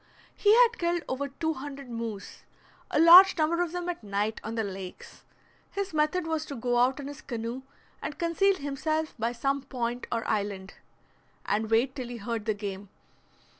He had killed over two hundred moose, a large number of them at night on the lakes. His method was to go out in his canoe and conceal himself by some point or island, and wait till he heard the game.